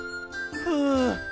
ふう。